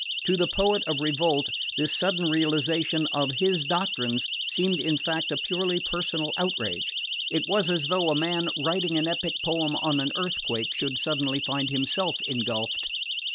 To the poet of revolt this sudden realisation of his doctrines seemed in fact a purely personal outrage. It was as though a man writing an epic poem on an earthquake should suddenly find himself engulphed.